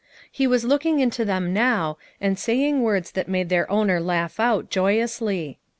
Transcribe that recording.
He was looking into them now, and saying words that made their owner laugh out joy ously.